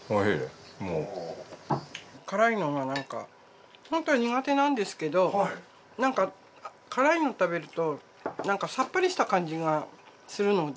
辛いのがなんかホントは苦手なんですけどなんか辛いの食べるとさっぱりした感じがするので。